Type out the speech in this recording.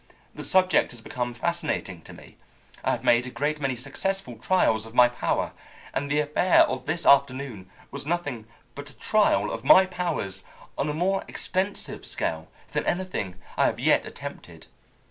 The subject has become fascinating to me. I have made a great many successful trials of my power, and the affair of this afternoon was nothing but a trial of my powers on a more extensive scale than anything I have yet attempted.